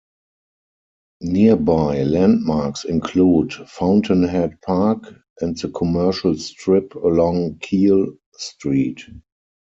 Nearby landmarks include Fountainhead Park and the commercial strip along Keele Street.